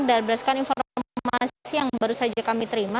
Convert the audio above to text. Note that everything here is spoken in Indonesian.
dan berdasarkan informasi yang baru saja kami terima